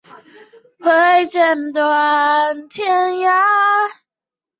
昂格莱人口变化图示